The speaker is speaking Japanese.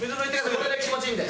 これが気持ちいいんで。